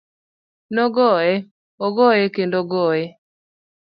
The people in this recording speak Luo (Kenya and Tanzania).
Nogoye, ogoye kendo ogoye.